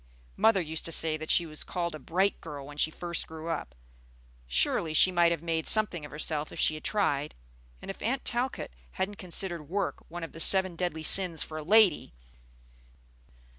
Mother used to say that she was called a bright girl when she first grew up. Surely she might have made something of herself if she had tried, and if Aunt Talcott hadn't considered work one of the seven deadly sins for a lady!